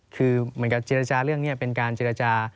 คือเหมือนกับเจรจาเรื่องนี้เป็นการเจรจา